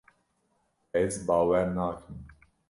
Ez bawer nakim.